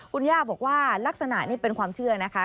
คุณย่าบอกว่าลักษณะนี่เป็นความเชื่อนะคะ